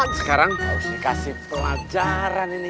sekarang mau dikasih pelajaran ini